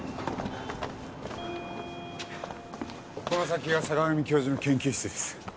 この先が坂上教授の研究室です。